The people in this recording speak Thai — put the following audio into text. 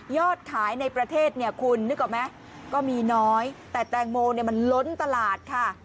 ยอดขายในประเทศคุณนึกออกไหมก็มีน้อยแต่แตงโมมันล้นตลาดค่ะ